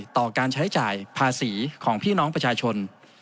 ต่อการใช้จ่ายภาษีของพี่น้องประชาชน